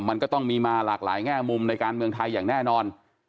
มันก็ต้องมีมาหลากหลายแง่มุมในการเมืองไทยอย่างแน่นอน